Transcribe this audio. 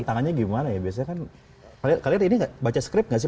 tangannya gimana ya biasanya kan kalian ini baca script gak sih